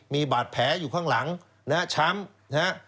มีบาดแผลอยู่ข้างหลังช้ำ